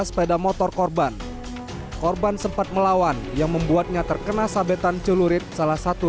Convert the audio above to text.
sepeda motor korban korban sempat melawan yang membuatnya terkena sabetan celurit salah satu